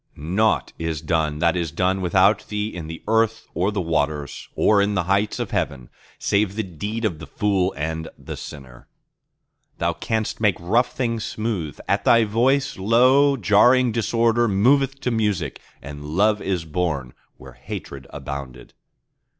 Nought is done that is done without Thee in the earth or the waters Or in the heights of heaven, save the deed of the fool and the sinner. Thou canst make rough things smooth; at Thy voice, lo, jarring disorder Moveth to music, and Love is born where hatred abounded.